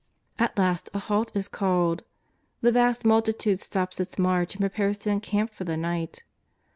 At last a halt is called. The vast multitude stops its march and prepares to encamp for the night.